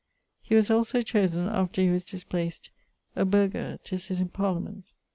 He was also chosen, after he was displaced, a burghesse to sitt in Parliament. [XLVIII.